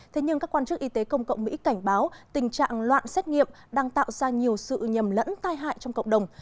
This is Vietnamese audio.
thế nhưng các quan chức y tế công cộng mỹ cảnh báo tình trạng loạn xét nghiệm đang tạo ra nhiều sự nhầm lẫn tai hại trong cộng đồng